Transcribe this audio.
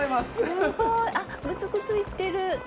すごい！あっグツグツいってる。